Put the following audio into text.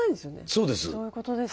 そうです。